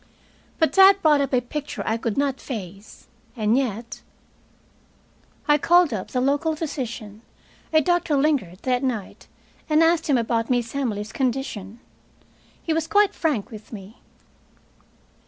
But that brought up a picture I could not face. And yet I called up the local physician, a Doctor Lingard, that night and asked him about Miss Emily's condition. He was quite frank with me.